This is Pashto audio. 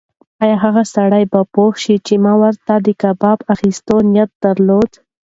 ایا هغه سړی به پوه شي چې ما ورته د کباب اخیستو نیت درلود؟